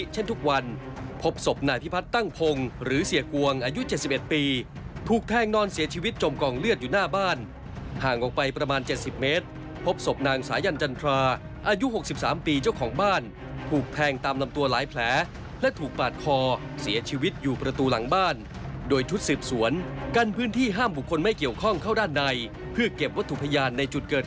เช่นทุกวันพบศพนายพิพัฒน์ตั้งพงศ์หรือเสียกวงอายุ๗๑ปีถูกแทงนอนเสียชีวิตจมกองเลือดอยู่หน้าบ้านห่างออกไปประมาณ๗๐เมตรพบศพนางสายันจันทราอายุ๖๓ปีเจ้าของบ้านถูกแทงตามลำตัวหลายแผลและถูกปาดคอเสียชีวิตอยู่ประตูหลังบ้านโดยชุดสืบสวนกันพื้นที่ห้ามบุคคลไม่เกี่ยวข้องเข้าด้านในเพื่อเก็บวัตถุพยานในจุดเกิด